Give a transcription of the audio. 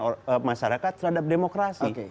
menyebabkan masyarakat menyebabkan demokrasi